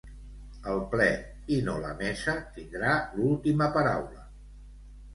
El ple, i no la mesa, tindrà l'última paraula.